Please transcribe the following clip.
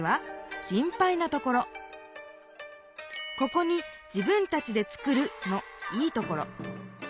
ここに「自分たちで作る」の「いいところ」。